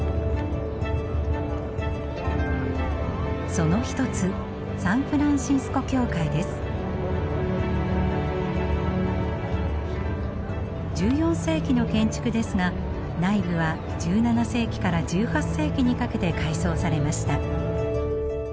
その一つ１４世紀の建築ですが内部は１７世紀から１８世紀にかけて改装されました。